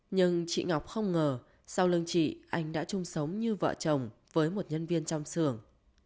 nhưng chị ngọc không ngờ sau lưng chị anh đã chung sống như vợ chồng với một nhân viên trong xưởng